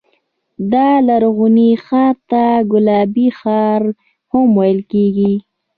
دا لرغونی ښار ته ګلابي ښار هم ویل کېږي.